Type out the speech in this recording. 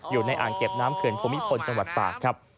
ทางเก็บน้ำเขื่อนพมิษภนจังหวัดป่าครับ